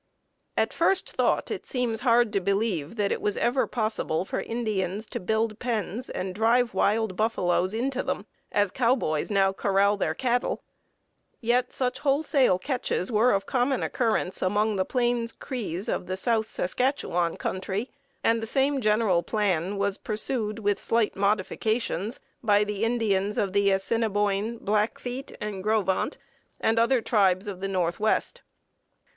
_ At first thought it seems hard to believe that it was ever possible for Indians to build pens and drive wild buffaloes into them, as cowboys now corral their cattle, yet such wholesale catches were of common occurrence among the Plains Crees of the south Saskatchewan country, and the same general plan was pursued, with slight modifications, by the Indians of the Assinniboine, Blackfeet, and Gros Ventres, and other tribes of the Northwest.